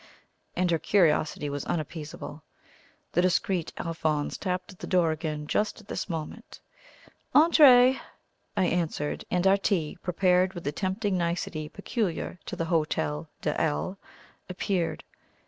and her curiosity was unappeasable. The discreet Alphonse tapped at the door again just at this moment. "Entrez!" I answered; and our tea, prepared with the tempting nicety peculiar to the Hotel de L , appeared.